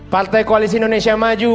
partai koalisi indonesia maju